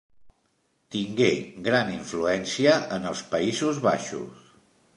Tingué gran influència en els Països Baixos.